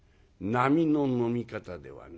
「並の飲み方ではない。